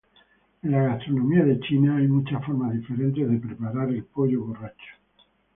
En la gastronomía de China hay muchas formas diferentes de preparar el pollo borracho.